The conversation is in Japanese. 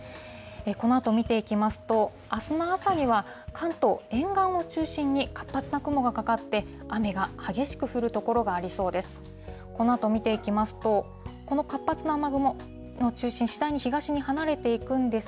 このあと見ていきますと、あすの朝には、関東沿岸を中心に、活発な雲がかかって、雨が激しく降る所がありそうです。